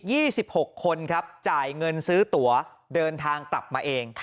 อีก๒๖คนจ่ายเงินซื้อตัวเดินทางตับมาเอง